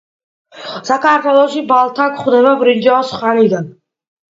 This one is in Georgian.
საქართველოში ბალთა გვხვდება ბრინჯაოს ხანიდან.